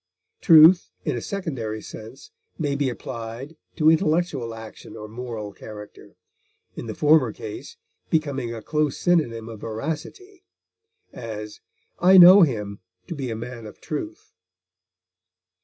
Truth in a secondary sense may be applied to intellectual action or moral character, in the former case becoming a close synonym of veracity; as, I know him to be a man of truth.